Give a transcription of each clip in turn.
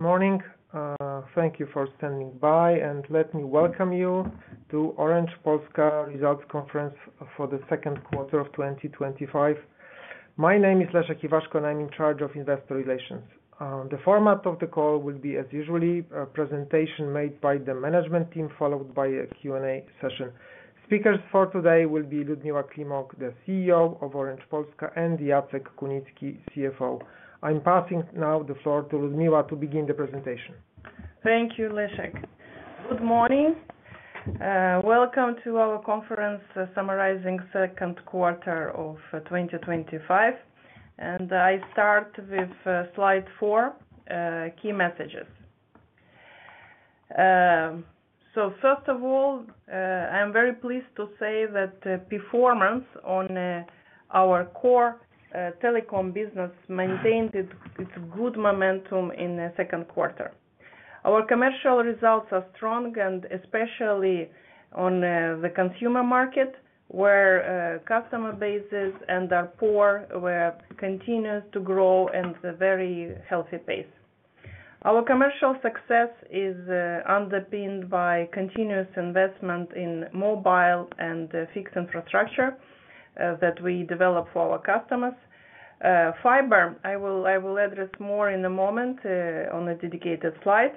Morning. Thank you for standing by and let me welcome you to Orange Polska results conference for the second quarter of 2025. My name is Leszek Iwaszko and I'm in charge of investor relations. The format of the call will be as usual, a presentation made by the management team followed by a Q&A session. Speakers for today will be Liudmila Climoc, the CEO of Orange Polska, and Jacek Kunicki, CFO. I'm passing now the floor to Liudmila to begin the presentation. Thank you. Leszek. Good morning. Welcome to our conference summarizing second quarter of 2025 and I start with slide four key messages. First of all I am very pleased to say that performance on our core telecom business maintained its good momentum in the second quarter. Our commercial results are strong and especially on the consumer market where customer bases and our pool continues to grow at a very healthy pace. Our commercial success is underpinned by continuous investment in mobile and fixed infrastructure that we develop for our customers. Fiber. I will address more in a moment on a dedicated slide.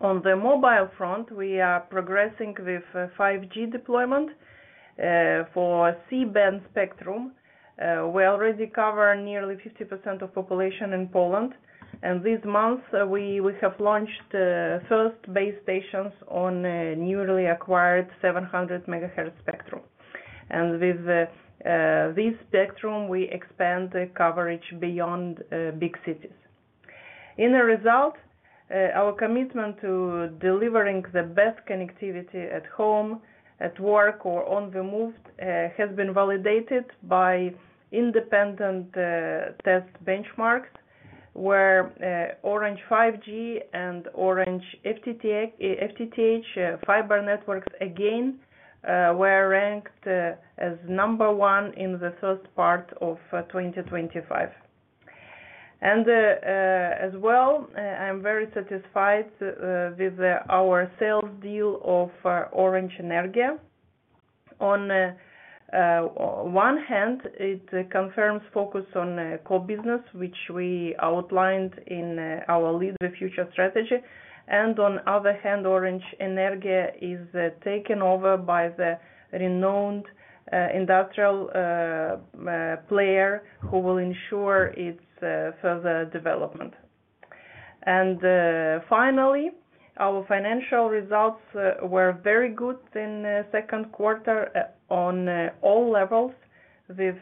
On the mobile front, we are progressing with 5G deployment for C-band spectrum. We already cover nearly 50% of population in Poland and this month we have launched first base stations on newly acquired 700 MHz spectrum. With this spectrum we expand coverage beyond big cities. As a result, our commitment to delivering the best connectivity at home, at work or on the move has been validated by independent test benchmarks where Orange 5G and Orange FTTH fiber networks again were ranked as number one in the first part of 2025. I am very satisfied with our sales deal of Orange Energía. On one hand it confirms focus on core business which we outlined in our Lead the Future strategy. On the other hand Orange Energía is taken over by the renowned industrial player who will ensure its further development. Finally, our financial results were very good in second quarter on all levels with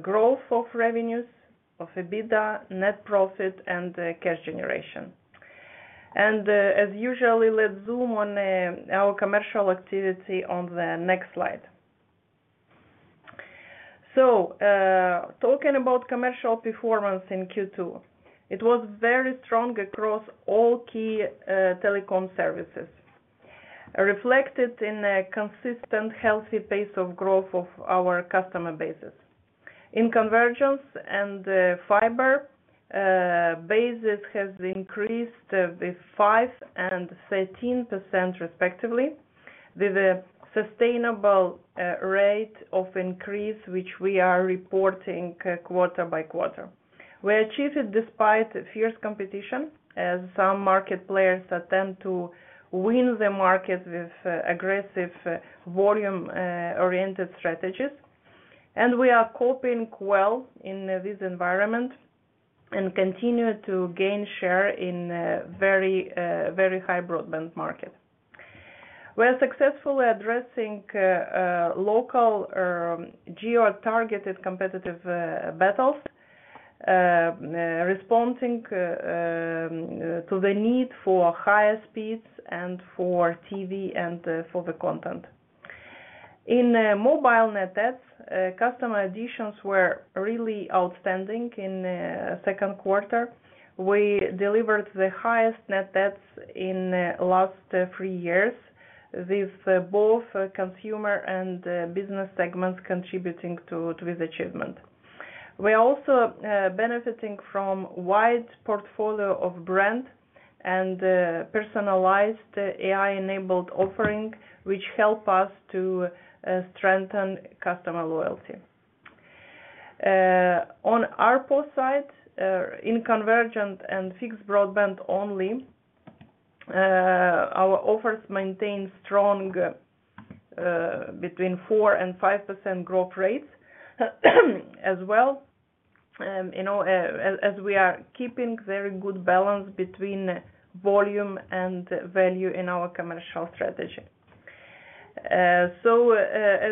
growth of revenues of EBITDAaL, net profit and cash generation. As usual, let's zoom on our commercial activity on the next slide. Talking about commercial performance in Q2, it was very strong across all key telecom services, reflected in a consistent healthy pace of growth of our customer bases in convergence and fiber bases has increased with 5% and 13% respectively with a sustainable rate of increase which we are reporting quarter by quarter. We achieve it despite fierce competition as some market players tend to win the market with aggressive volume oriented strategies. We are coping well in this environment and continue to gain share in very very high broadband market. We are successfully addressing local geo-targeted competitive battles, responding to the need for higher speeds and for TV and for the content in mobile. Net debts customer additions were really outstanding in second quarter. We delivered the highest net profit in the last three years with both consumer and business segments contributing to this achievement. We also are benefiting from a wide portfolio of brand and personalized AI-enabled offerings which help us to strengthen customer loyalty. On ARPO side in convergence services and fixed broadband only, our offers maintain strong between 4% and 5% growth rates as well as we are keeping a very good balance between volume and value in our commercial strategy. As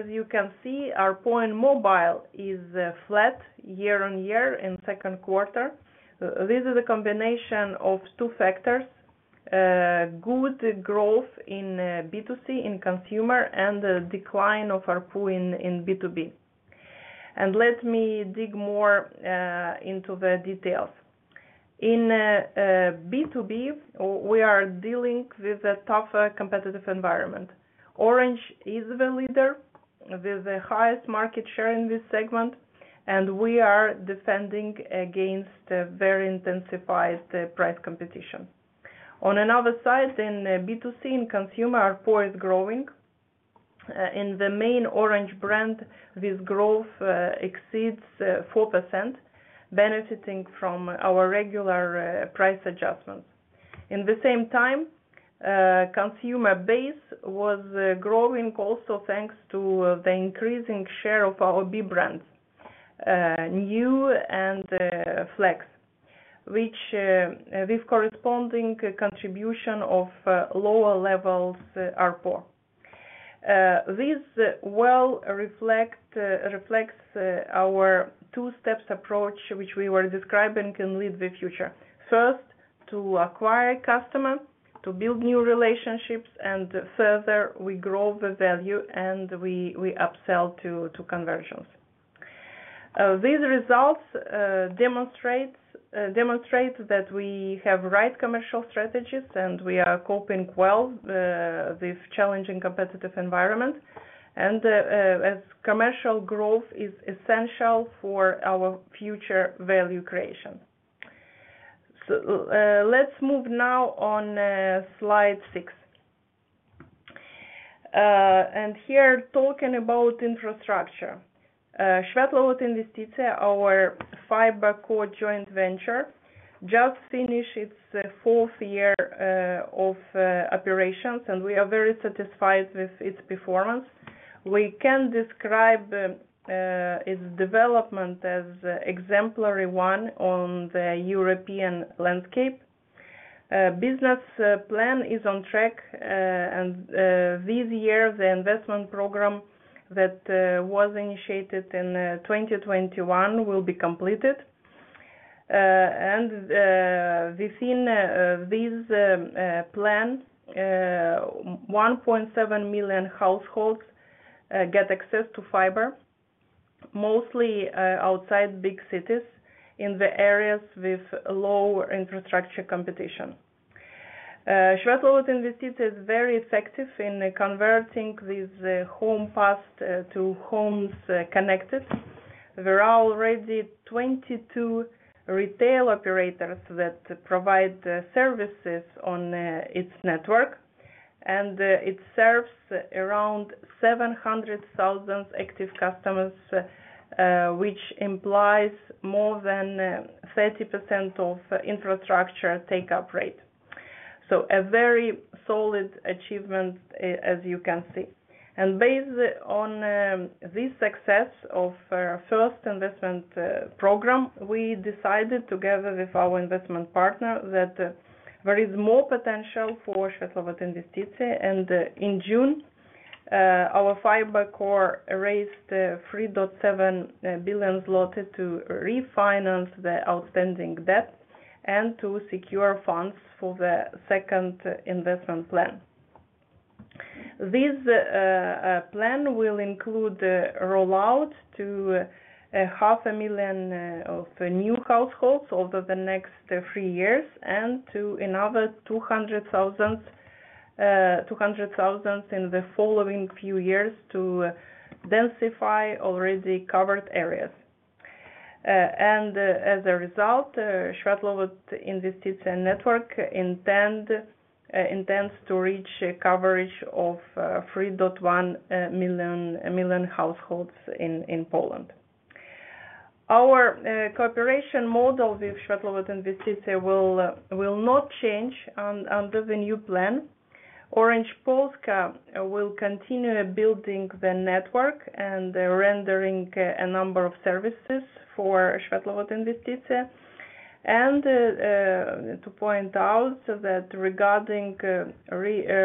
you can see, ARPO and mobile is flowing flat year on year in the second quarter. This is a combination of two factors: good growth in B2C in consumer and decline of ARPO in B2B. Let me dig more into the details. In B2B, we are dealing with a tougher competitive environment. Orange Polska is the leader with the highest market share in this segment and we are defending against very intensified price competition. On another side, in B2C in consumer, ARPO is growing. In the main Orange brand, this growth exceeds 4%, benefiting from our regular price adjustments. At the same time, consumer base was growing also thanks to the increasing share of our B brands, nju and Flex, which with corresponding contribution of lower levels ARPO. This well reflects our two-step approach which we were describing can Lead the Future: first to acquire customer to build new relationships and further we grow the value and we upsell to convergence. These results demonstrate that we have the right commercial strategies and we are coping well with a challenging competitive environment. Commercial growth is essential for our future value creation. Let's move now on slide six and here talking about infrastructure, Światłowód Inwestycje our FiberCo joint venture just finished its fourth year of operations and we are very satisfied with its performance. We can describe its development as an exemplary one on the European landscape. Business plan is on track and this year the investment program that was initiated in 2021 will be completed. Within this plan, 1.7 million households get access to fiber, mostly outside big cities in the areas with low infrastructure competition. Światłowód Inwestycje is very effective in converting these homes to homes connected. There are already 22 retail operators that provide services on its network and it serves around 700,000 active customers, which implies more than 30% of infrastructure take-up rate. A very solid achievement as you can see. Based on this success of first investment program, we decided together with our investment partner that there is more potential for Światłowód Inwestycje. In June our FiberCo raised 3.7 billion zloty, loaded to refinance the outstanding debt and to secure funds for the second investment plan. This plan will include rollout to 500,000 of new households over the next three years and to another 200,000 in the following few years to densify already covered areas. As a result, Światłowód Inwestycje network intends to reach coverage of 3.1 million households in Poland. Our cooperation model with Światłowód Inwestycje will not change under the new plan. Orange Polska will continue building the network and rendering a number of services for Światłowód Inwestycje. To point out, regarding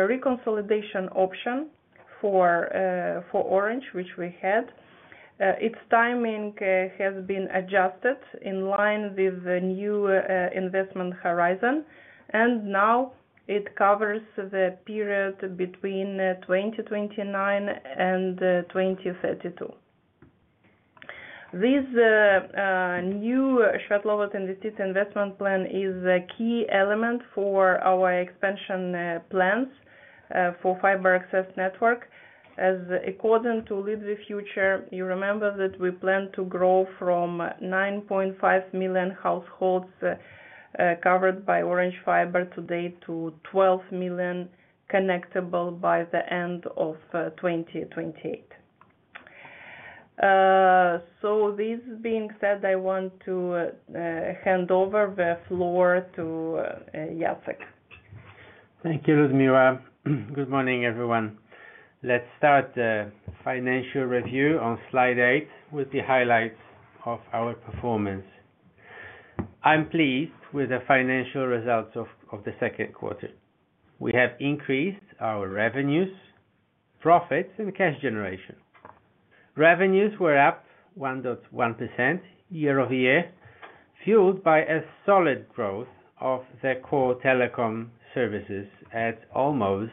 reconsolidation option for Orange which we had, its timing has been adjusted in line with the new investment horizon and now it covers the period between 2029 and 2032. This new Światłowód Inwestycje investment plan is a key element for our expansion plans for fiber access network as according to Lead the Future, you remember that we plan to grow from 9.5 million households covered by Orange fiber today to 12 million connectable by the end of 2028. This being said, I want to hand over the floor to Jacek. Thank you, Liudmila. Good morning, everyone. Let's start the financial review on slide eight with the highlights of our performance. I'm pleased with the financial results of the second quarter. We have increased our revenues, profits, and cash generation. Revenues were up 1.1% year-over-year, fueled by a solid growth of the core telecom services at almost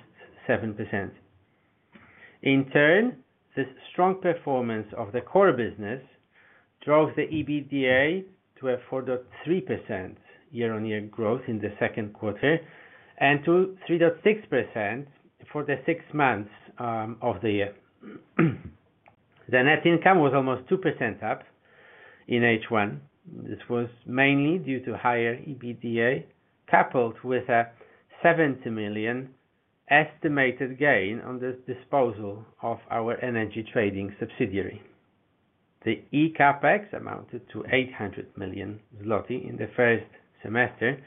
7%. In turn, this strong performance of the core business drove the EBITDAaL to a 4.3% year on year growth in the second quarter and to 3.6% for the six months of the year. The net income was almost 2% up in H1. This was mainly due to higher EBITDAaL coupled with a 70 million estimated gain on the disposal of our energy retailing subsidiary. The eCapEx amounted to 800 million zloty in the first semester,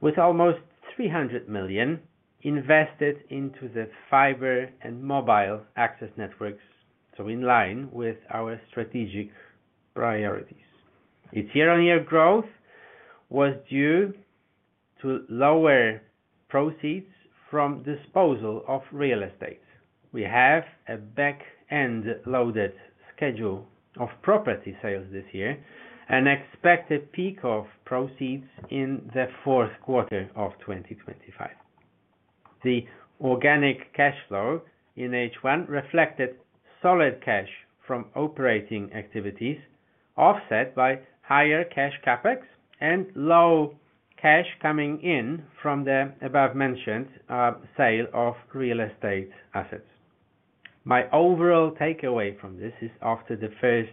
with almost 300 million invested into the fiber and mobile access networks. In line with our strategic priorities, its year on year growth was due to lower proceeds from disposal of real estate. We have a back-end loaded schedule of property sales this year and expect a peak of proceeds in the fourth quarter of 2025. The organic cash flow in H1 reflected solid cash from operating activities offset by higher cash CapEx and low cash coming in from the above-mentioned sale of real estate assets. My overall takeaway from this is after the first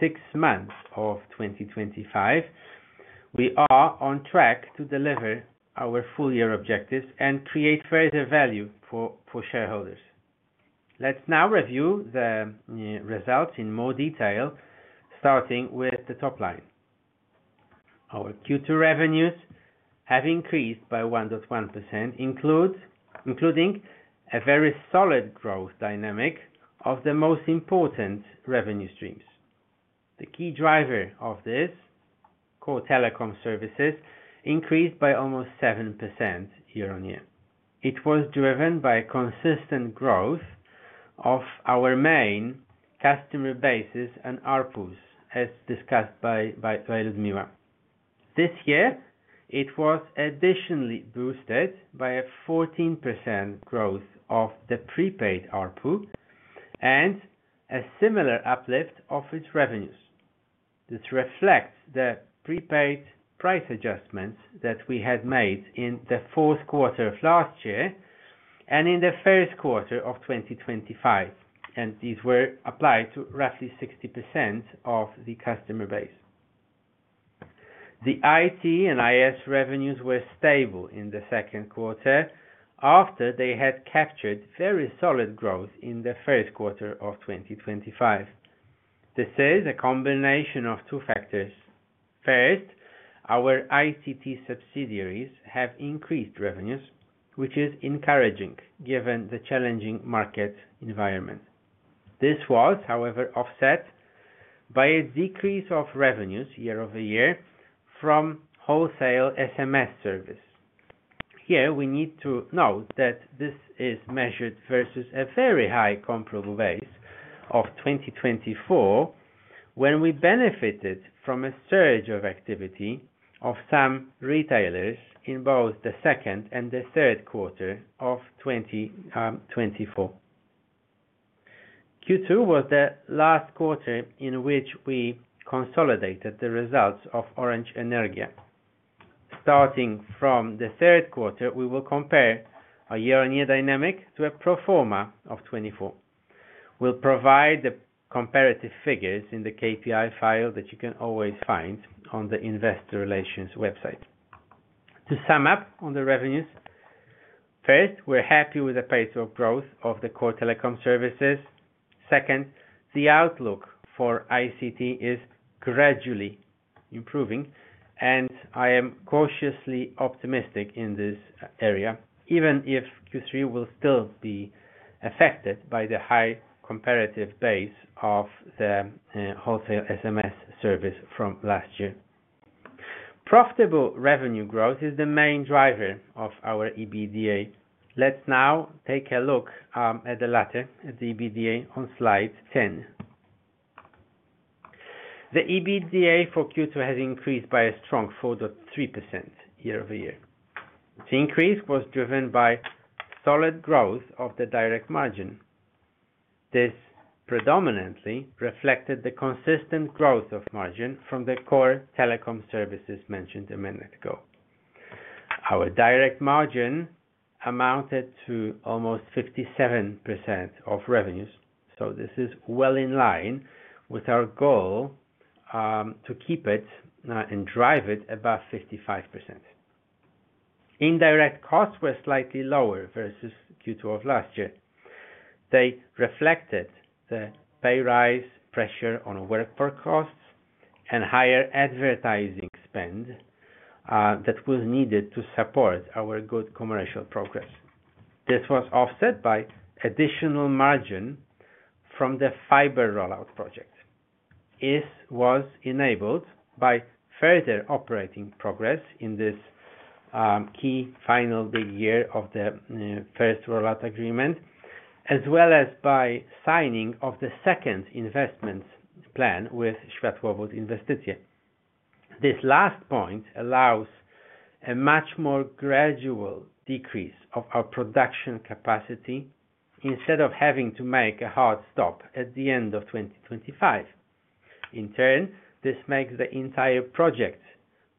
six months of 2025, we are on track to deliver our full year objectives and create further value for shareholders. Let's now review the results in more detail. Starting with the top line, our Q2 revenues have increased by 1.1%, including a very solid growth dynamic of the most important revenue streams. The key driver of this, core telecom services, increased by almost 7% year on year. It was driven by consistent growth of our main customer bases and ARPOs, as discussed by Liudmila. This year, it was additionally boosted by a 14% growth of the prepaid ARPO and a similar uplift of its revenues. This reflects the prepaid price adjustments that we had made in the fourth quarter of last year and in the first quarter of 2025, and these were applied to roughly 60% of the customer base. The IT and IS revenues were stable in the second quarter after they had captured very solid growth in the first quarter of 2025. This is a combination of two factors. First, our IT subsidiaries have increased revenues, which is encouraging given the challenging market environment. This was, however, offset by a decrease of revenues year-over-year from wholesale SMS revenues. Here we need to note that this is measured versus a very high comparable base of 2024 when we benefited from a surge of activity of some retailers in both the second and the third quarter of 2024. Q2 was the last quarter in which we consolidated the results of Orange Energía. Starting from the third quarter, we will compare a year on year dynamic to a pro forma of 2024. We'll provide the comparative figures in the KPI file that you can always find on the investor relations website. To sum up on the revenues first, we're happy with the pace of growth of the core telecom services. Second, the outlook for ICT is gradually improving and I am cautiously optimistic in this area. Even if Q3 will still be affected by the high comparative base of the wholesale SMS revenues from last year, profitable revenue growth is the main driver of our EBITDAaL. Let's now take a look at the latter at the EBITDAaL on slide 10. The EBITDAaL for Q2 has increased by a strong 4.3% year-over-year. The increase was driven by solid growth of the direct margin. This predominantly reflected the consistent growth of margin from the core telecom services mentioned a minute ago. Our direct margin amounted to almost 57% of revenues, so this is well in line with our goal to keep it and drive it above 55%. Indirect costs were slightly lower versus Q2 of last year. They reflected the pay rise, pressure on workforce costs, and higher advertising spend that was needed to support our good commercial progress. This was offset by additional margin from the fiber rollout project. This was enabled by further operating progress in this key final big year of the first rollout agreement, as well as by signing of the second investment plan with Światłowód Inwestycje. This last point allows a much more gradual decrease of our production capacity instead of having to make a hard stop at the end of 2025. In turn, this makes the entire project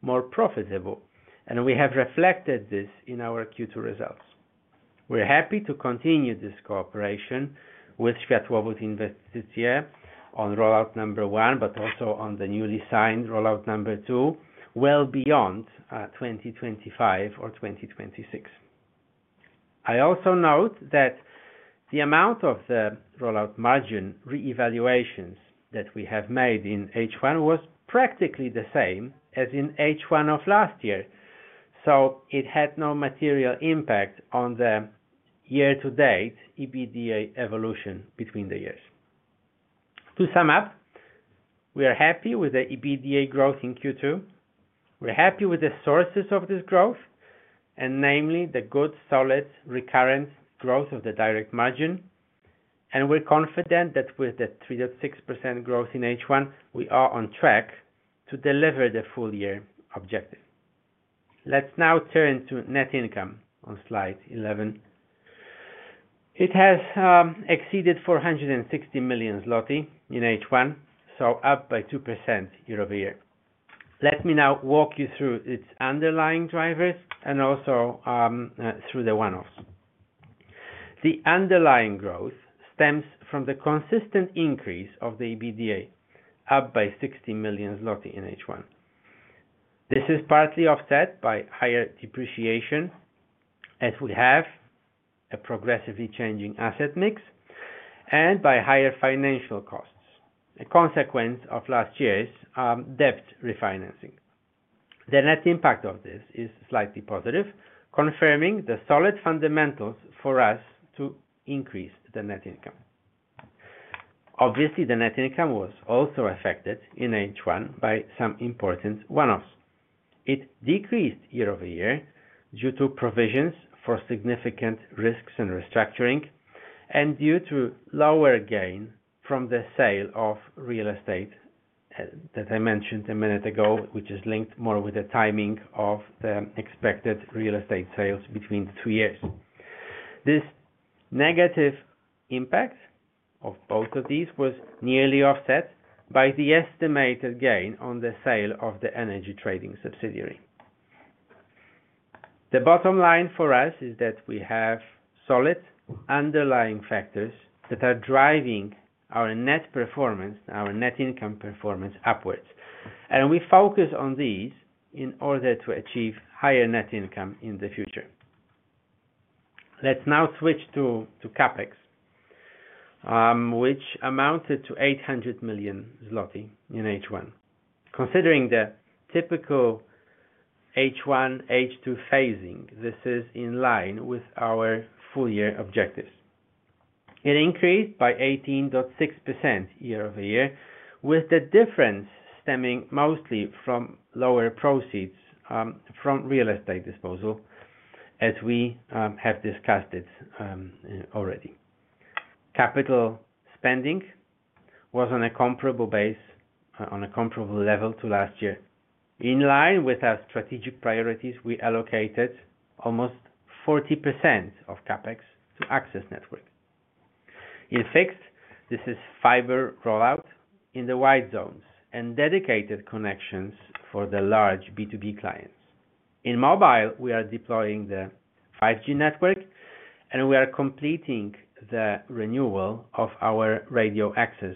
more profitable and we have reflected this in our Q2 results. We're happy to continue this cooperation with Światłowód Inwestycje on rollout number one but also on the newly signed rollout number two well beyond 2025 or 2026. I also note that the amount of the rollout margin re-evaluations that we have made in H1 was practically the same as in H1 of last year, so it had no material impact on the year to date. EBITDAaL evolution between the years. To sum up, we are happy with the EBITDAaL growth in Q2, we're happy with the sources of this growth and namely the good solid recurrence growth of the direct margin, and we're confident that with the 3.6% growth in H1 we are on track to deliver the full year objective. Let's now turn to net income on slide 11. It has exceeded 460 million zloty in H1, so up by 2% year-over-year. Let me now walk you through its underlying drivers and also through the one-offs. The underlying growth stems from the consistent increase of the EBITDAaL, up by 60 million zloty in H1. This is partly offset by higher depreciation as we have a progressively changing asset mix and by higher financial costs, a consequence of last year's debt refinancing. The net impact of this is slightly positive, confirming the solid fundamentals for us to increase the net income. Obviously, the net income was also affected in H1 by some important one-offs. It decreased year-over-year due to provisions for significant risks and restructuring and due to lower gain from the sale of real estate that I mentioned a minute ago, which is linked more with the timing of the expected real estate sales between two years. This negative impact of both of these was nearly offset by the estimated gain on the sale of the energy trading subsidiary. The bottom line for us is that we have solid underlying factors that are driving our net performance, our net income performance upwards, and we focus on these in order to achieve higher net income in the future. Let's now switch to CapEx, which amounted to 800 million zloty in H1. Considering the typical H1 H2 phasing, this is in line with our full year objectives. It increased by 18.6% year-over-year, with the difference stemming mostly from lower proceeds from real estate disposal. As we have discussed it already, capital spending was on a comparable base, on a comparable level to last year. In line with our strategic priorities, we allocated almost 40% of CapEx to access network in fixed. This is fiber rollout in the white zones and dedicated connections for the large B2B clients. In mobile, we are deploying the 5G network and we are completing the renewal of our radio access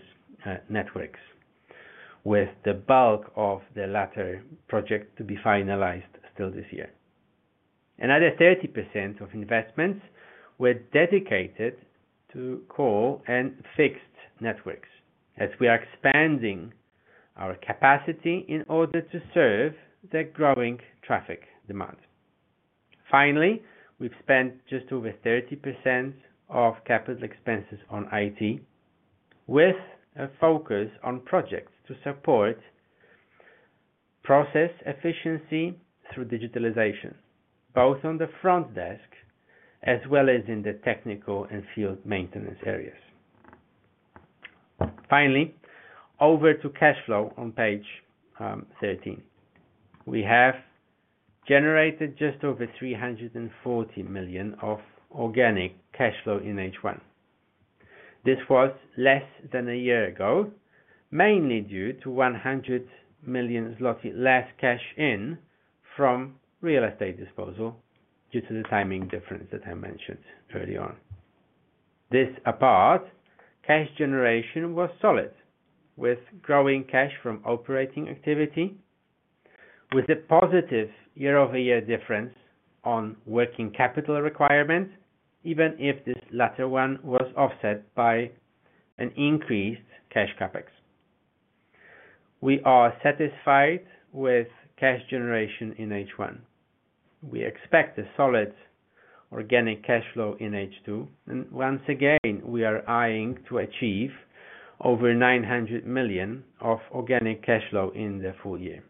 networks with the bulk of the latter project to be finalized still this year. Another 30% of investments were dedicated to core and fixed networks as we are expanding our capacity in order to serve the growing traffic demand. Finally, we've spent just over 30% of capital expenses on IT with a focus on projects to support process efficiency through digitalization, both on the front desk as well as in the technical and field maintenance areas. Over to cash flow on page 13, we have generated just over 340 million of organic cash flow in H1. This was less than a year ago, mainly due to 100 million zloty less cash in from real estate disposal due to the timing difference that I mentioned earlier. On this apart, cash generation was solid with growing cash from operating activity with a positive year-over-year difference on working capital requirement. Even if this latter one was offset by increased cash CapEx, we are satisfied with cash generation in H1. We expect a solid organic cash flow in H2 and once again we are eyeing to achieve over 900 million of organic cash flow in the full year.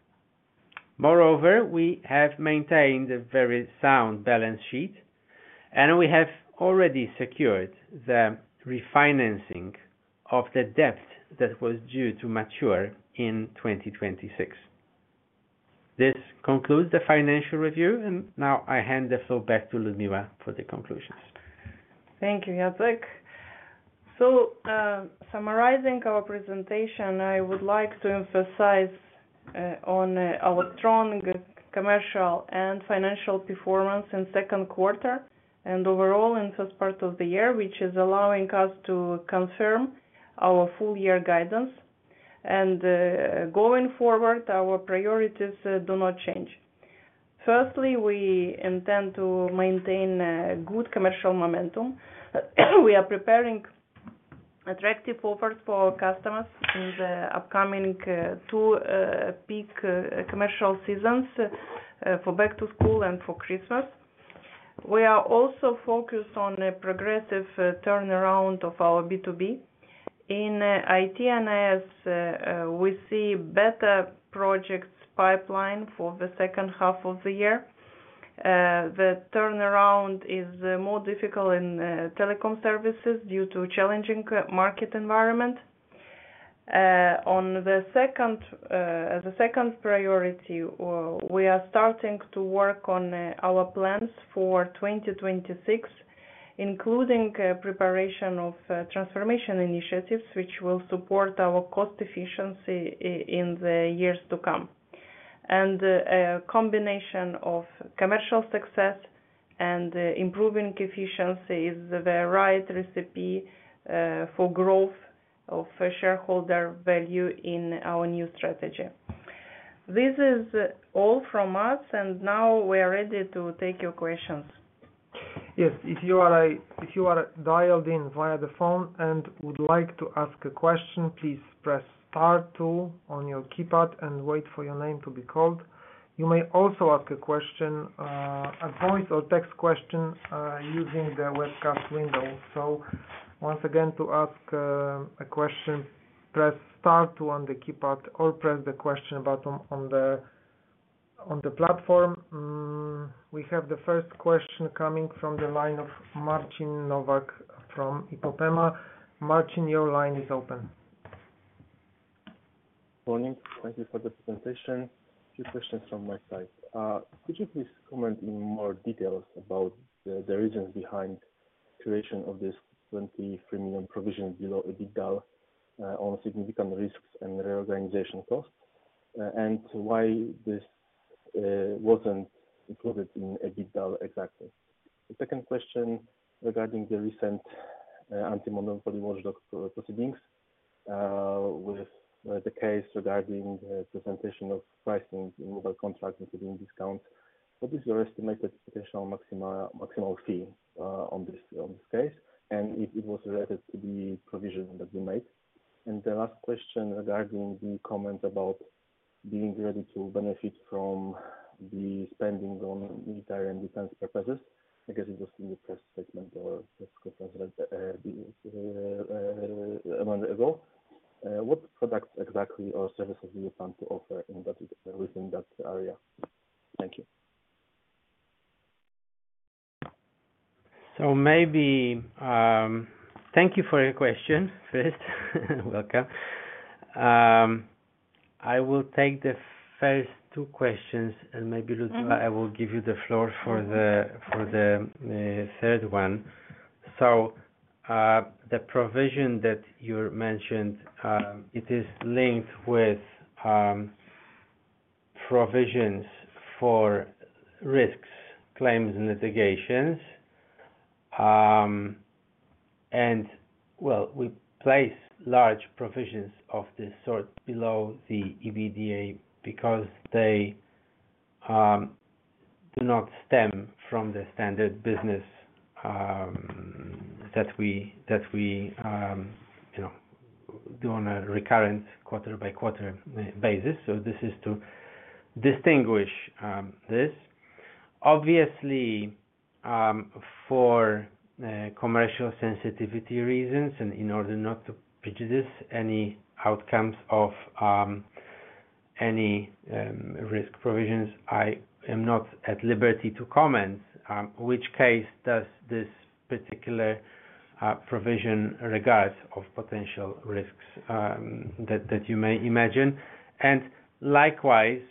Moreover, we have maintained a very sound balance sheet and we have already secured the refinancing of the debt that was due to mature in 2026. This concludes the financial review and now I hand the floor back to Liudmila for the conclusions. Thank you Jacek. Summarizing our presentation, I would like to emphasize on electronic commercial and financial performance in the second quarter and overall in the first part of the year, which is allowing us to confirm our full year guidance. Going forward, our priorities do not change. Firstly, we intend to maintain good commercial momentum. We are preparing attractive offers for customers in the upcoming two peak commercial seasons, for back to school and for Christmas. We are also focused on a progressive turnaround of our B2B in IT and IS. We see a better projects pipeline for the second half of the year. The turnaround is more difficult in core telecom services due to a challenging market environment. As a second priority, we are starting to work on our plans for 2026, including preparation of transformation initiatives which will support our cost efficiency in the years to come. A combination of commercial success and improving efficiency is the right recipe for growth of shareholder value in our new strategy. This is all from us and now we are ready to take your questions. Yes, if you are dialed in via the phone and would like to ask a question, please press star two on your keypad and wait for your name to be called. You may also ask a question, a voice or text question, using the webcast window. Once again, to ask a question, press star one the keypad or press the question button on the platform. We have the first question coming from the line of Marcin Nowak from IPOPEMA. Marcin, your line is open. Morning. Thank you for the presentation. Few questions from my side. Could you please comment in more detail about the reasons behind creation of this 23 million provision below EBITDAaL on significant risks and reorganization costs, and why this wasn't included in EBITDAaL exactly? The second question regarding the recent anti-monopoly watchdog proceedings with the case regarding presentation of pricing in mobile contracts, including discount, what is your estimated potential maximal fee on this case? It was related to the provision that we made. The last question regarding the comment about being ready to benefit from the spending on military and defense purposes, I guess it was in the press segment or a month ago. What products exactly or services do you plan to offer within that area? Thank you. Thank you for your question. First, welcome. I will take the first two questions and maybe I will give you the floor for the third one. The provision that you mentioned is linked with provisions for risks, claims, and litigations, and we place large provisions of this sort below the EBITDAaL because they do not stem from the standard business that we do on a recurrent quarter by quarter basis. This is to distinguish this obviously for commercial sensitivity reasons and in order not to prejudice any outcomes of any risk provisions. I am not at liberty to comment which case this particular provision regards or potential risks that you may imagine. Likewise,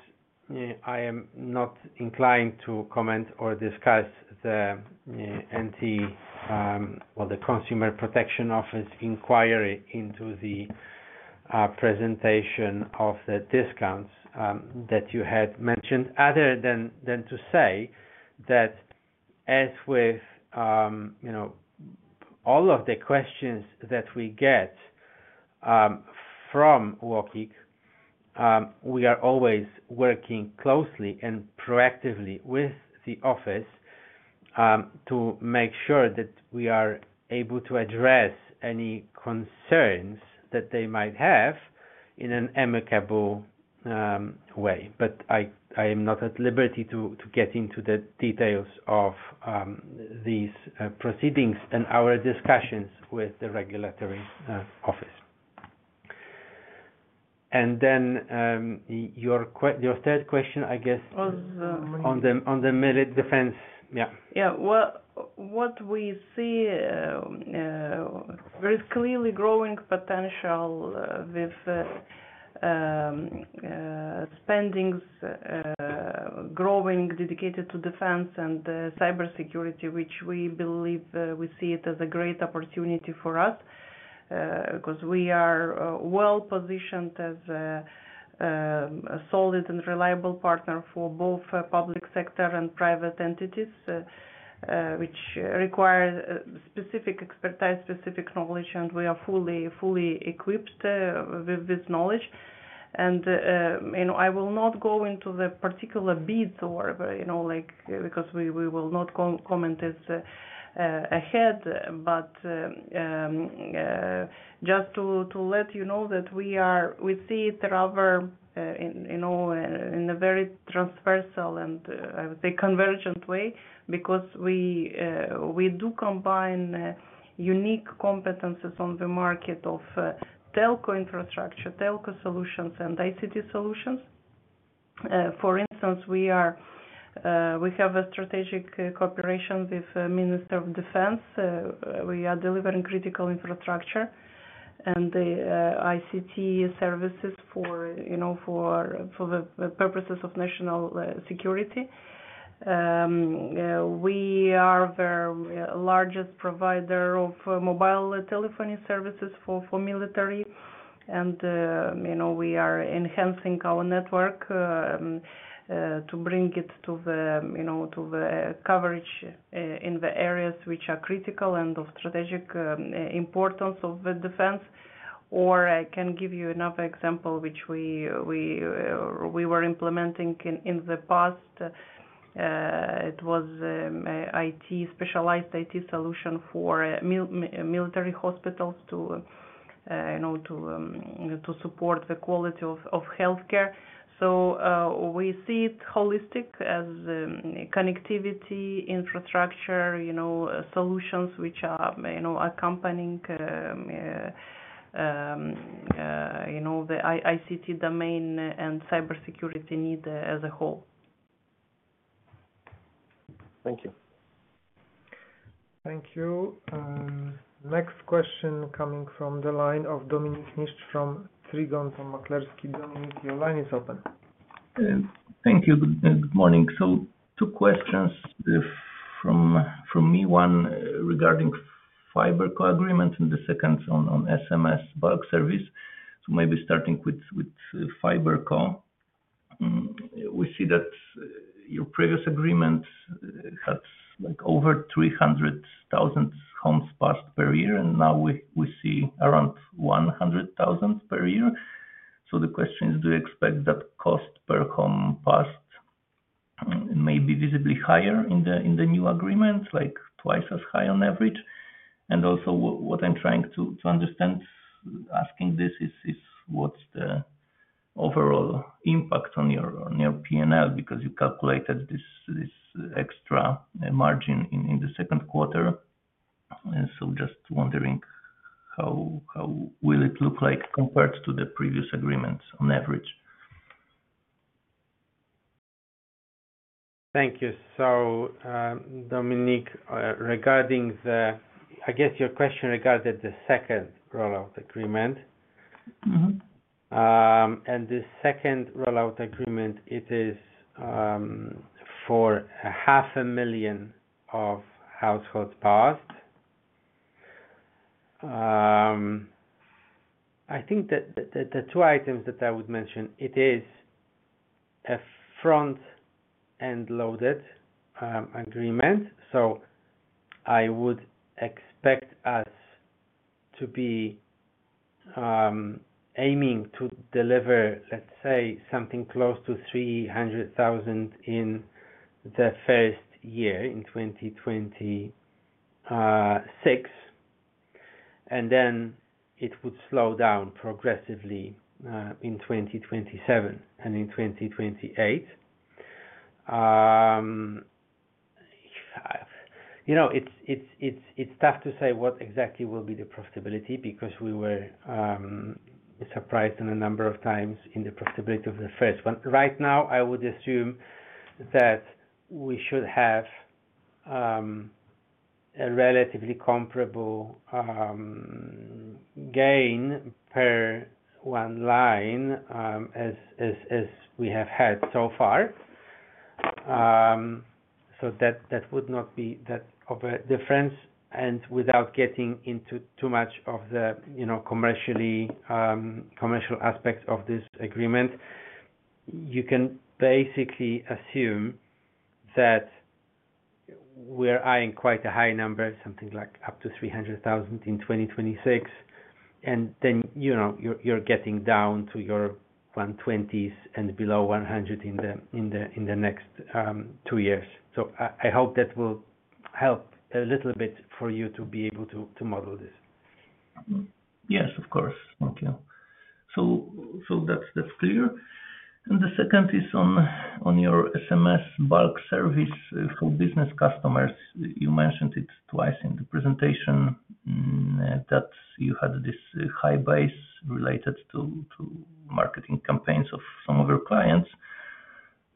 I am not inclined to comment or discuss the Consumer Protection Office inquiry into the presentation of the discounts that you had mentioned, other than to say that as with all of the questions that we get from them, we are always working closely and proactively with the Office to make sure that we are able to address any concerns that they might have in an amicable way. I am not at liberty to get into the details of these proceedings and our discussions with the regulatory office. Then your third question, I guess, on the merit defense. Yeah, yeah. What we see there is clearly growing potential with spendings growing dedicated to defense and cyber security, which we believe. We see it as a great opportunity for us because we are well positioned as a solid and reliable partner for both public sector and private entities which require specific expertise, specific knowledge, and we are fully, fully equipped with this knowledge. I will not go into the particular bids or, you know, like, because we will not comment as ahead. Just to let you know that we see rather, you know, in a very transversal and, I would say, convergent way because we do combine unique competences on the market of telco infrastructure, telco solutions, and ICT solutions. For instance, we have a strategic cooperation with the Ministry of Defense. We are delivering critical infrastructure and ICT services for, you know, for the purposes of national security. We are the largest provider of mobile telephony services for military, and we are enhancing our network to bring it to the coverage in the areas which are critical and of strategic importance of defense. I can give you another example which we were implementing in the past. It was a specialized IT solution for military hospitals to support the quality of healthcare. We see it holistic as connectivity infrastructure solutions which are accompanying the ICT domain and cybersecurity security need as a whole. Thank you. Thank you. Next question coming from the line of Dominik Niszcz from Trigon Dom Maklerski. Dominik, your line is open. Thank you. Good morning. Two questions from me, one regarding the FiberCo agreement and the second on SMS bulk service. Maybe starting with FiberCo, we see that your previous agreement had over 300,000 homes passed per year and now we see around 100,000 per year. The question is, do you expect that cost per home passed may be visibly higher in the new agreements, like twice as high on average? Also, what I'm trying to understand asking this is what's the overall impact on your P&L because you calculated this extra margin in the second quarter. Just wondering how will it look like compared to the previous agreements on average? Thank you. Dominik, regarding the, I guess your question regarded the second rollout agreement and the second rollout agreement, it is for 500,000 million households passed. I think that the two items that I would mention, it is a front-end loaded agreement. I would expect us to be aiming to deliver, let's say, something close to 300,000 in the first year in 2026, and then it would slow down progressively in 2027 and in 2028. It's tough to say what exactly will be the profitability because we were surprised a number of times in the profitability of the first one. Right now, I would assume that we should have a relatively comparable gain per one line as we have had so far. That would not be that of a difference. Without getting into too much of the commercial aspects of this agreement, you can basically assume that we're eyeing quite a high number, something like up to 300,000 in 2026, and then you're getting down to your 120s and below 100 in the next two years. I hope that will help a little bit for you to be able to model this. Yes, of course. Thank you. That's clear. The second is on your SMS bulk service for business customers. You mentioned it twice in the presentation that you had this high base related to marketing campaigns of some of your clients.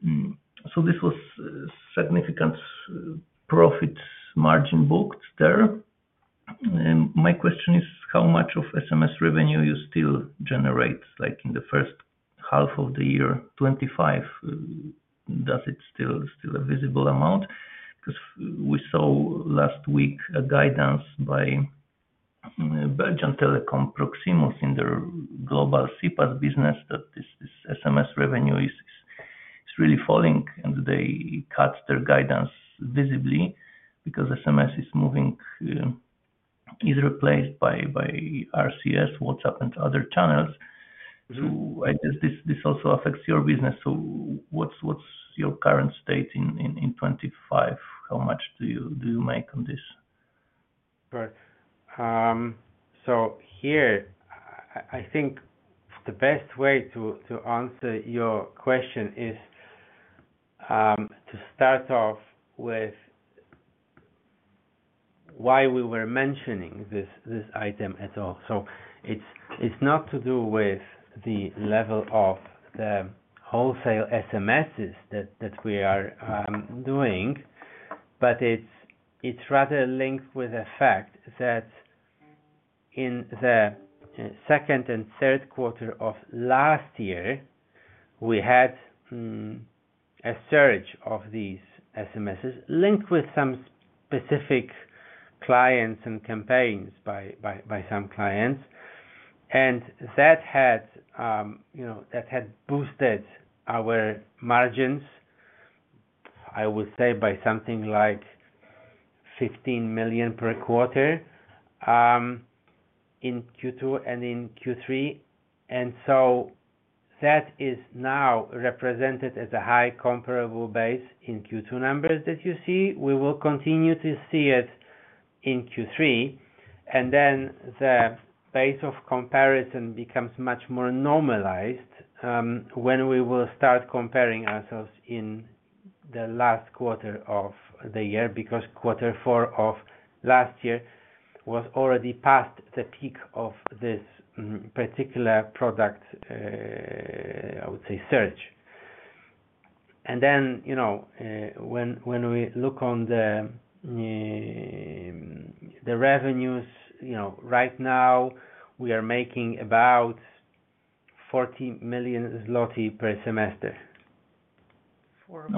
This was significant profit margin booked there. My question is how much of SMS revenue you still generate, like in the first half of the year 2025, does it still a visible amount? We saw last week a guidance by Belgian telecom Proximus in their global CPaaS business that this SMS revenue is really falling and they cut their guidance visibly because SMS is moving, is replaced by RCS, WhatsApp, and other channels. I guess this also affects your business. What's your current state in 2025? How much do you make on this? I think the best way to answer your question is to start off with why we were mentioning this item at all. It's not to do with the level of the wholesale SMS that we are doing, but it's rather linked with the fact that in the second and third quarter of last year we had a surge of these SMSs linked with some specific clients and campaigns by some clients. That had boosted our margins, I would say by something like 15 million per quarter in Q2 and in Q3. That is now represented as a high comparable base in Q2 numbers that you see. We will continue to see it in Q3 and then the base of comparison becomes much more normalized when we will start comparing ourselves in the last quarter of the year, because quarter four of last year was already past the peak of this particular product. I would say surge. When we look on the revenues, right now we are making about 40 million zloty per semester for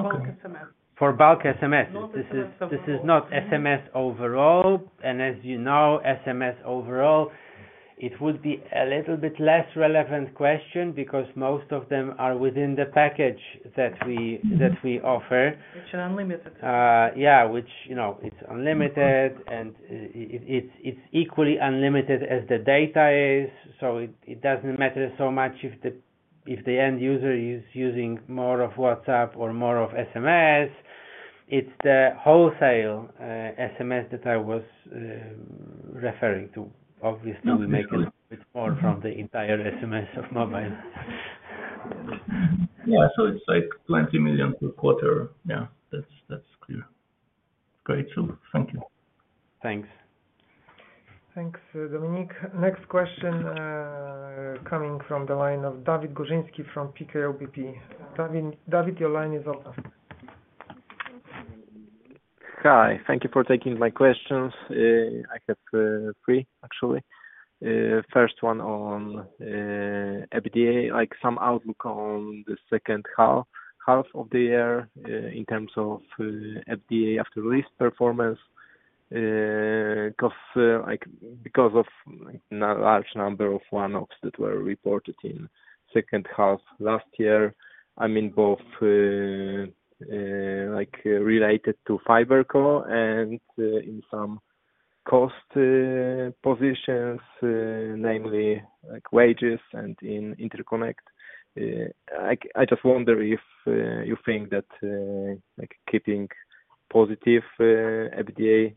bulk SMS. This is not SMS overall and as you know SMS overall it would be a little bit less relevant question because most of them are within the package that we offer. It's unlimited. Unlimited and it's equally unlimited as the data is. It doesn't matter so much if the end user is using more of WhatsApp or more of SMS. It's the wholesale SMS that I was referring to. Obviously we make a little bit more from the entire SMS of mobile. Yeah, it's like 20 million per quarter. That's clear. Great, thank you. Thanks. Thanks, Dominik. Next question coming from the line of David Górzyński from PKO BP. David, your line is open. Hi, thank you for taking my questions. I have three actually. First one on EBITDAaL, like some outlook on the second half of the year in terms of EBITDA after leases performance because of large number of one-offs that were reported in second half last year. I mean both like related to FiberCo and in some cost positions, namely like wages and in interconnect. I just wonder if you think that like keeping positive EBITDA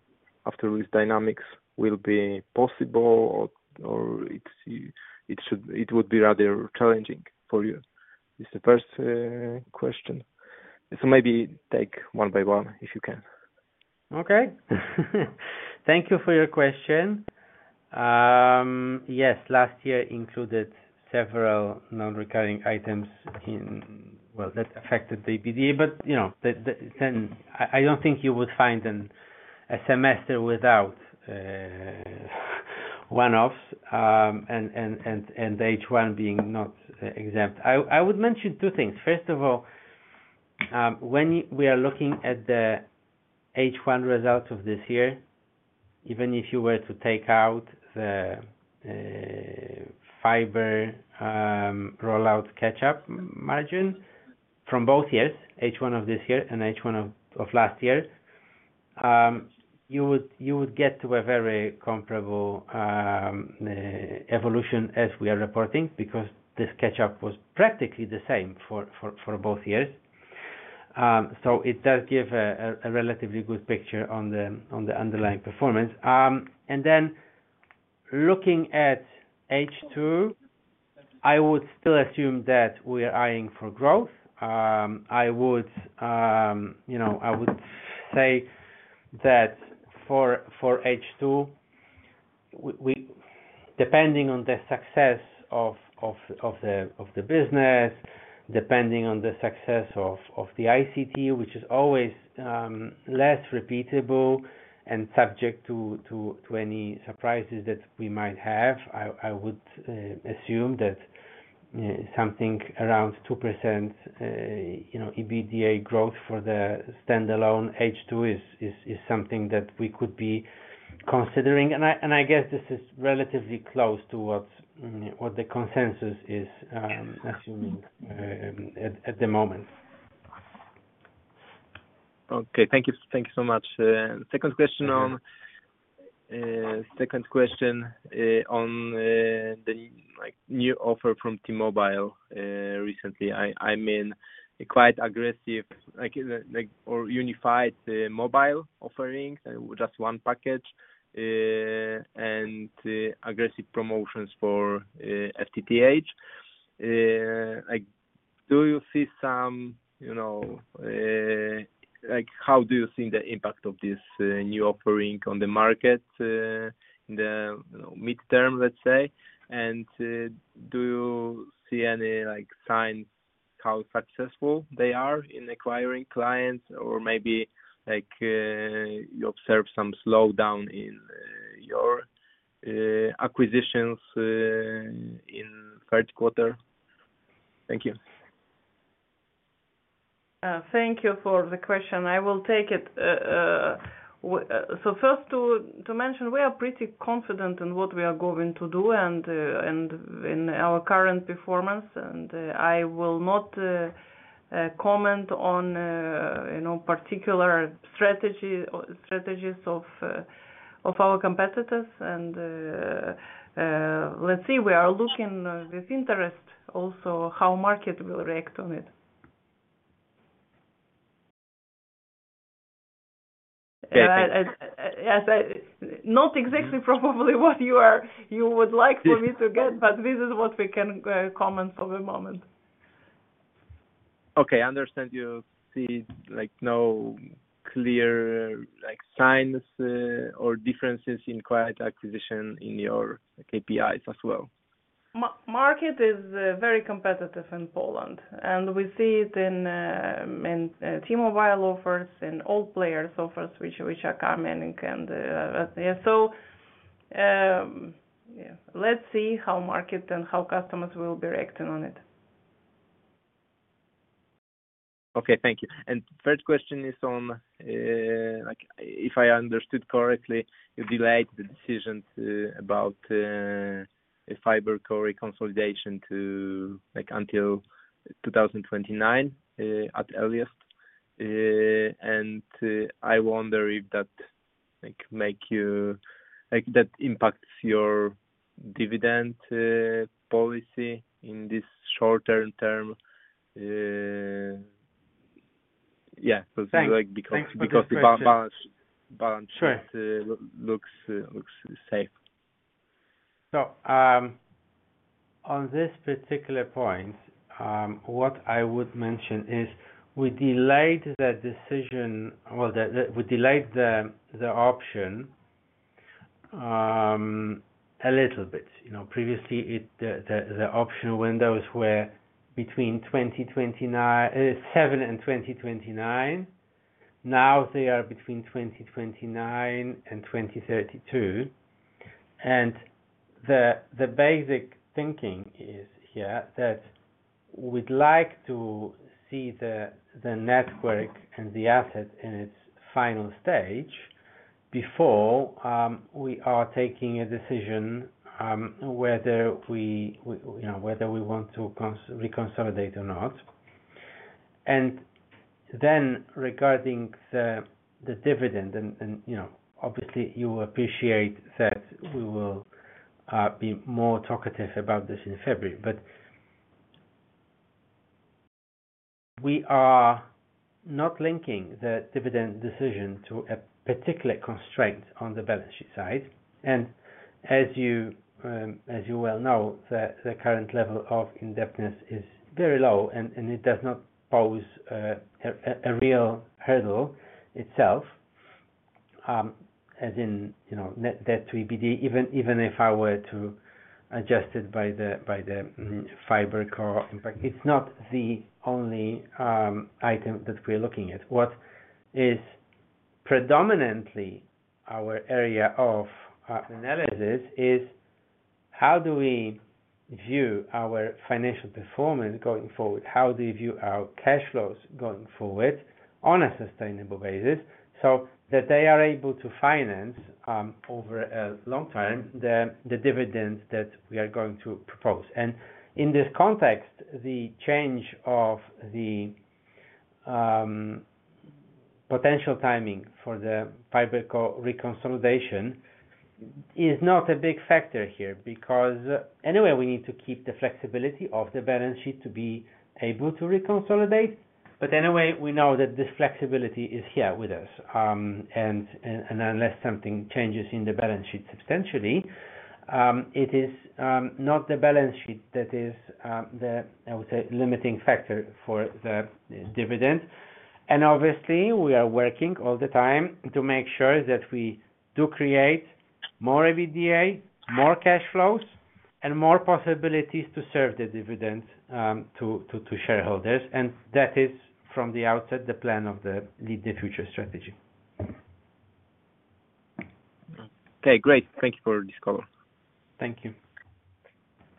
after leases dynamics will be possible or it would be rather challenging for you is the first question. Maybe take one by one if you can. Okay, thank you for your question. Yes, last year included several non-recurring items that affected the EBITDAaL. I don't think you would find a semester without one-offs and the H1 being not exempt. I would mention two things. First of all, when we are looking at the H1 results of this year, even if you were to take out the fiber rollout catch-up margin from both years, H1 of this year and H1 of last year, you would get to a very comparable evolution as we are reporting because the catch-up was practically the same for both years. It does give a relatively good picture on the underlying performance. Looking at H2, I would still assume that we are eyeing for growth. I would say that for H2, depending on the success of the business, depending on the success of the ICT which is always less repeatable and subject to any surprises that we might have, I would assume that something around 2% EBITDAaL growth for the standalone H2 is something that we could be considering and I guess this is relatively close to what the consensus is assuming at the moment. Okay, thank you. Thank you so much. Second question on the new offer from T-Mobile recently. I mean quite aggressive or unified mobile offering, just one package and aggressive promotions for FTTH. Do you see some, you know, like how do you see the impact of this new offering on the market in the midterm, let's say? Do you see any, like, signs how successful they are in acquiring clients? Or maybe you observe some slowdown in your acquisitions in third quarter. Thank you. Thank you for the question. I will take it. First, to mention, we are pretty confident in what we are going to do and in our current performance. I will not comment on particular strategies of our competitors. We are looking with interest also at how the market will react on it. Not exactly probably what you would like for me to get, but this is what we can comment for a moment. Okay, I understand you see like no clear signs or differences in quiet acquisition in your KPIs as well. Market is very competitive in Poland, and we see it in T-Mobile offers and all players' offers which are coming. Let's see how market and how customers will be reacting on it. Okay, thank you. Third question is on, like, if I understood correctly, you delayed the decision about FiberCo consolidation to, like, until 2029 at earliest. I wonder if that, like, impacts your dividend policy in this short term, yeah, because the balance sheet looks safe. On this particular point, what I would mention is we delayed that decision. We delayed the decision, the option a little bit. Previously, the optional windows were between 2027 and 2029. Now they are between 2029 and 2032. The basic thinking is here that we'd like to see the network and the asset in its final stage before we are taking a decision whether we want to reconsolidate or not. Regarding the dividend, you will appreciate that we will be more talkative about this in February, but we are not linking the dividend decision to a particular constraint on the balance sheet side. As you well know, the current level of indebtedness is very low and it does not pose a real hurdle itself as in net debt to EBITDAaL. Even if I were to adjust it by the FiberCo impact, it's not the only item that we're looking at. What is predominantly our area of analysis is how do we view our financial performance going forward, how do we view our cash flows going forward on a sustainable basis so that they are able to finance over a long time the dividend that we are going to propose. In this context, the change of the potential timing for the fiber reconsolidation is not a big factor here because anyway we need to keep the flexibility of the balance sheet to be able to reconsolidate. Anyway, we know that this flexibility is here with us and unless something changes in the balance sheet substantially, it is not the balance sheet that is the limiting factor for the dividend. Obviously, we are working all the time to make sure that we do create more EBITDAaL, more cash flows, and more possibilities to serve the dividend to shareholders. That is from the outset the plan of the lead, the future strategy. Okay, great. Thank you for this call. Thank you.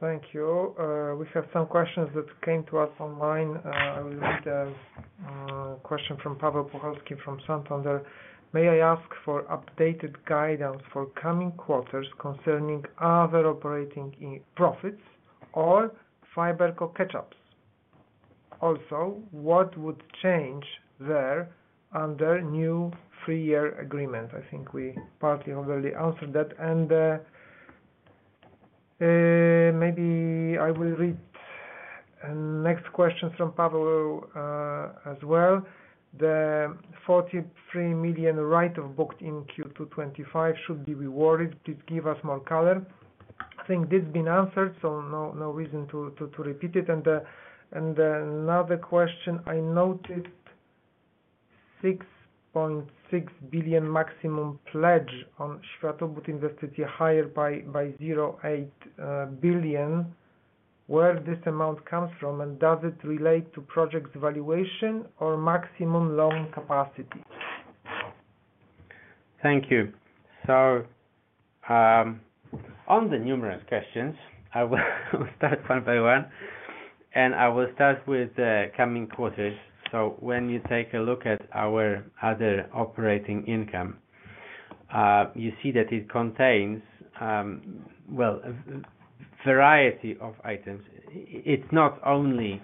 Thank you. We have some questions that came to us online. I will read a question from Paweł Puchalski from Santander. May I ask for updated guidance for coming quarters concerning other operating profits or FiberCo catch ups? Also, what would change there under new three year agreement? I think we partly already answered that, and maybe I will read next question from Paweł as well. The 43 million write-off booked in Q2 2025 should be reworded. Please give us more color. I think this has been answered, so no reason to repeat it. Another question, I noticed 6.6 billion maximum pledge on Światłowód Inwestycje, higher by 0.8 billion. Where does this amount come from and does it relate to project valuation or maximum loan capacity? Thank you. On the numerous questions, I will start one by one and I will start with coming quarters. When you take a look at our other operating income, you see that it contains a variety of items. It's not only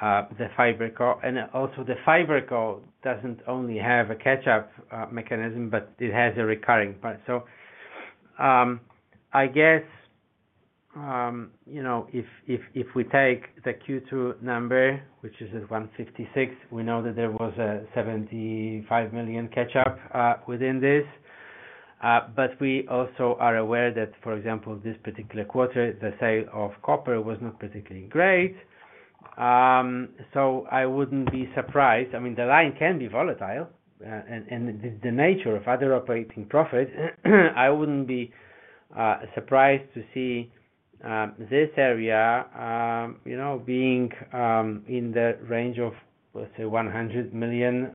the FiberCo, and also the FiberCo doesn't only have a catch-up mechanism, but it has a recurring price. I guess if we take the Q2 number, which is at 156 million, we know that there was a 75 million catch-up within this. We also are aware that, for example, this particular quarter the sale of copper was not particularly great. I wouldn't be surprised. The line can be volatile and the nature of other operating profit. I wouldn't be surprised to see this area being in the range of, let's say, 100 million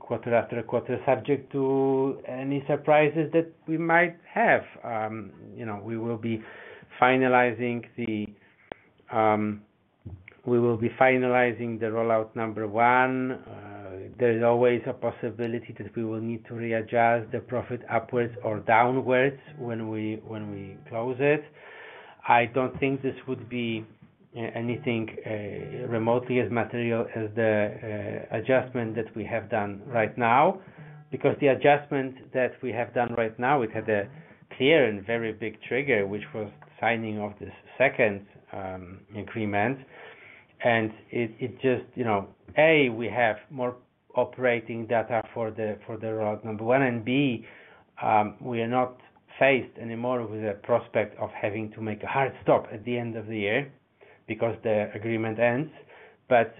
quarter after quarter, subject to any surprises that we might have. We will be finalizing the rollout, number one. There is always a possibility that we will need to readjust the profit upwards or downwards when we close it. I don't think this would be anything remotely as material as the adjustment that we have done right now because the adjustment that we have done right now had a clear and very big trigger, which was signing of this second agreement. It just, you know, A, we have more operating data for the route number one and B, we are not faced anymore with a prospect of having to make a hard stop at the end of the year because the agreement ends.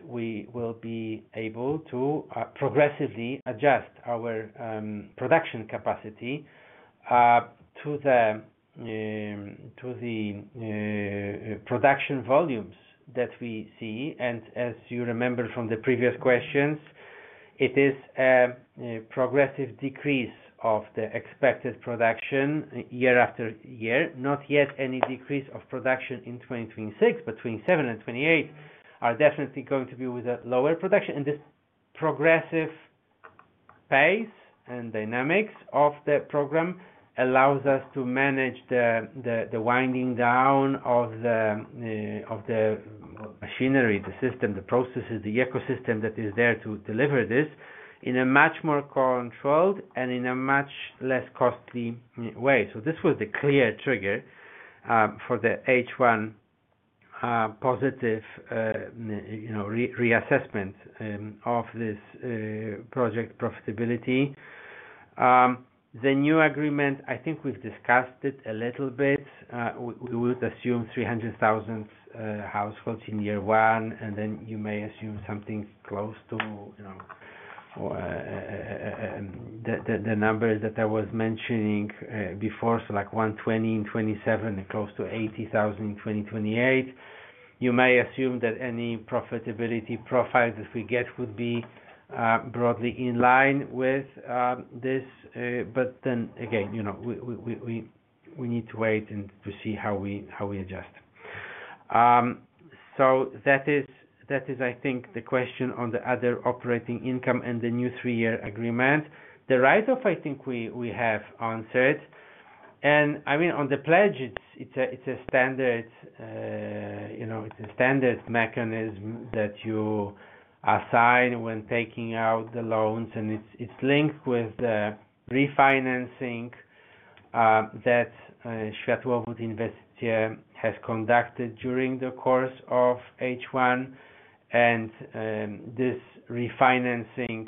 We will be able to progressively adjust our production capacity to the production volumes that we see. As you remember from the previous questions, it is a progressive decrease of the expected production year after year. Not yet any decrease of production in 2026. Between 2027 and 2028 are definitely going to be with a lower production. This progressive pace and dynamics of the program allow us to manage the winding down of the machinery, the system, the processes, the ecosystem that is there to deliver this in a much more controlled and in a much less costly way. This was the clear trigger for the H1 positive reassessment of this project. Profitability, the new agreement, I think we've discussed it a little bit. We would assume 300,000 households in year one and then you may assume something close to the numbers that I was mentioning before, so like 127,000 and close to 80,000 in 2028. You may assume that any profitability profile that we get would be broadly in line with this. You know, we need to wait and to see how we adjust. That is, I think, the question on the other operating income and the new three year agreement. The write-off, I think we have answered. I mean, on the pledge, it's a standard mechanism that you assign when taking out the loans. It's linked with the refinancing that Światłowód Inwestycje has conducted during the course of H1. This refinancing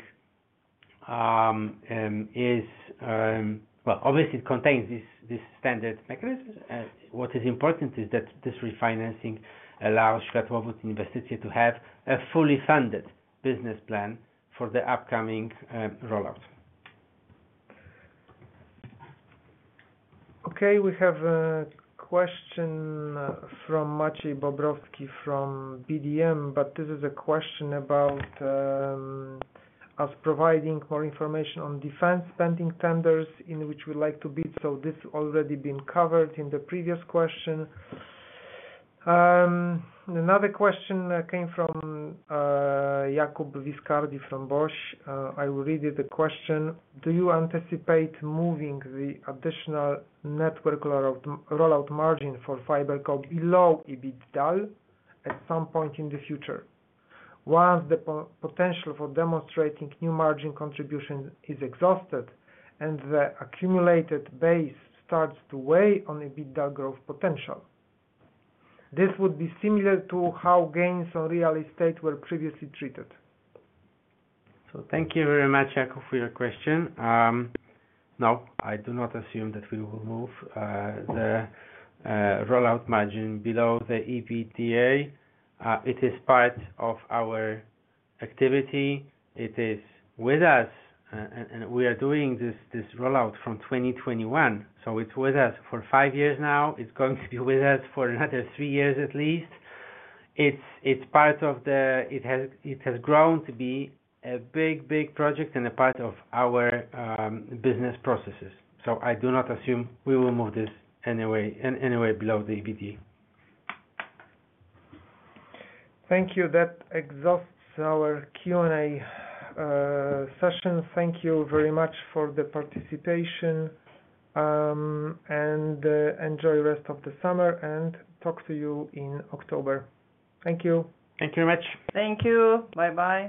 obviously contains these standard mechanisms. What is important is that this refinancing allows Światłowód Inwestycje to have a fully funded business plan for the upcoming rollout. Okay, we have a question from Maciej Bobrowski from BDM, but this is a question about us providing more information on defense spending tenders in which we like to bid. This has already been covered in the previous question. Another question came from Jakub Viscardi from BOŚ. I will read the question. Do you anticipate moving the additional network rollout margin for FiberCo below EBITDAaL at some point in the future once the potential for demonstrating new margin contribution is exhausted and the accumulated base starts to weigh on EBITDAaL growth potential? This would be similar to how gains on real estate were previously treated. Thank you very much, Jakub, for your question. No, I do not assume that we will move the rollout margin below the EBITDAaL. It is part of our activity. It is with us, and we are doing this rollout from 2021. It's with us for five years now, and it's going to be with us for another three years at least. It's part of the, it has grown to be a big, big project and a part of our business processes. I do not assume we will move this anyway, anyway, below the EBITDAaL. Thank you. That exhausts our Q&A session. Thank you very much for the participation, and enjoy rest of the summer and talk to you in October. Thank you. Thank you very much. Thank you. Bye bye.